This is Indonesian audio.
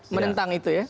menentang itu ya